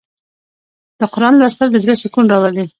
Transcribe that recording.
د قرآن لوستل د زړه سکون راولي.